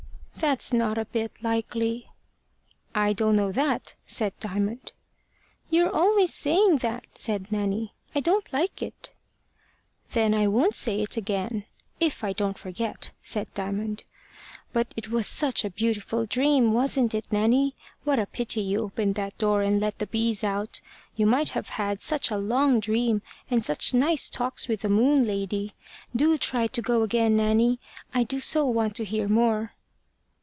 "That's not a bit likely." "I don't know that," said Diamond. "You're always saying that," said Nanny. "I don't like it." "Then I won't say it again if I don't forget." said Diamond. "But it was such a beautiful dream! wasn't it, Nanny? What a pity you opened that door and let the bees out! You might have had such a long dream, and such nice talks with the moon lady. Do try to go again, Nanny. I do so want to hear more."